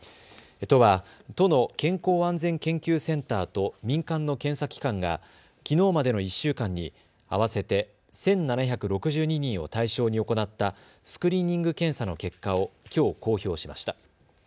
都は都の健康安全研究センターと民間の検査機関がきのうまでの１週間に合わせて１７６２人を対象に行ったスクリーニング検査の結果をきょう公表しました。